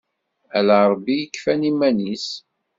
Ala Ṛebbi i yekfan iman-is.